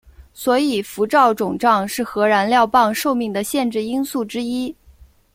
所以辐照肿胀是核燃料棒寿命的限制因素之一。